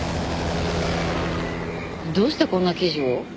どうしてこんな記事を？